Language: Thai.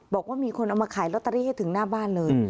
บอกว่ามีคนเอามาขายลอตเตอรี่ให้ถึงหน้าบ้านเลย